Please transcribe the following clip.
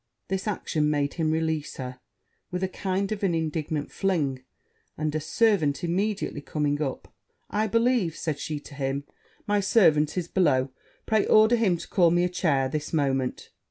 This action made him release her with a kind of indignant fling; and a servant immediately coming up, 'I believe,' said she to him, 'my servant is below; pray order him to call me a chair this moment.'